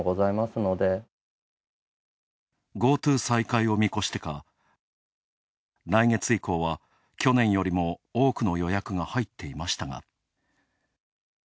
「ＧｏＴｏ」再開を見越してか来月以降は、去年よりも多くの予約が入っていましたが。